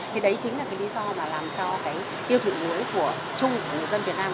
thì đấy chính là cái lý do mà làm cho cái tiêu thụ muối của chung của người dân việt nam